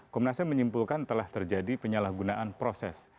komnasnya menyimpulkan telah terjadi penyalahgunaan proses